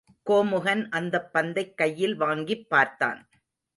கோமுகன் அந்தப் பந்தைக் கையில் வாங்கிப் பார்த்தான்.